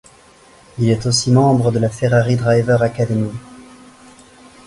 Il est aussi membre de la Ferrari Driver Academy.